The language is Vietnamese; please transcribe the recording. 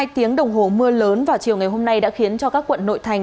hai tiếng đồng hồ mưa lớn vào chiều ngày hôm nay đã khiến cho các quận nội thành